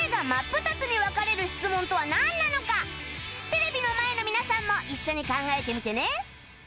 テレビの前の皆さんも一緒に考えてみてね！